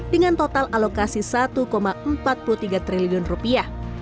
dengan total alokasi satu empat puluh tiga triliun rupiah